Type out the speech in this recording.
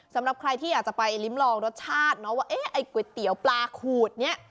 สำหรับใครที่อยากจะไปลิ้มลองรสชาติเนอะว่าเอ๊ะไอ้ก๋วยเตี๋ยวปลาขูดเนี่ย